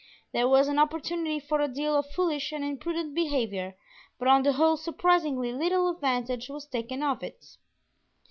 There was an opportunity for a deal of foolish and imprudent behavior, but on the whole surprisingly little advantage was taken of it.